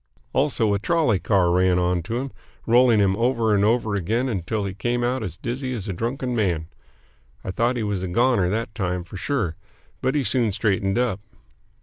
Also, a trolley car ran on to him, rolling him over and over again until he came out as dizzy as a drunken man. I thought he was a "goner" that time for sure, but he soon straightened up.